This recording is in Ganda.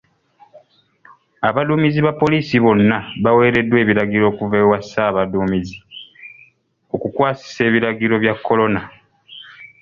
Abaduumizi ba poliisi bonna baweereddwa ebiragiro okuva ewa ssaabaduumizi okukwasisa ebiragiro bya Corona.